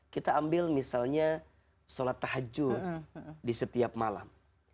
kita ambil misalnya sholat tahajud di setiap malam